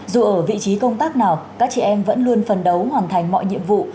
dù ở vị trí công tác nào các chị em vẫn luôn phần đấu hoàn thành mọi nhiệm vụ